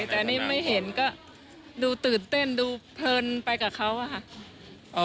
แต่อันนี้ไม่เห็นก็ดูตื่นเต้นดูเพลินไปกับเขาอะค่ะ